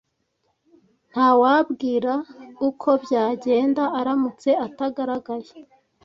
Ntawabwira uko byagenda aramutse atagaragaye.